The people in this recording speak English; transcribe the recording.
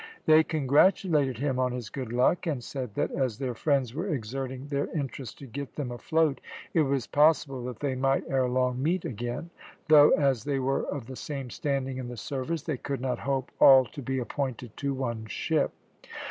They congratulated him on his good luck, and said that as their friends were exerting their interest to get them afloat it was possible that they might ere long meet again, though as they were of the same standing in the service they could not hope all to be appointed to one ship.